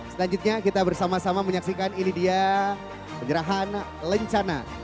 selanjutnya kita bersama sama menyaksikan ini dia penyerahan lencana